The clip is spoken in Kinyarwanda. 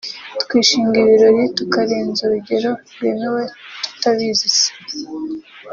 twishinga ibirori tukarenza urugero rwemewe tutabizi se